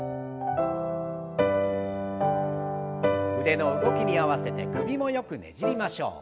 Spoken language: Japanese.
腕の動きに合わせて首もよくねじりましょう。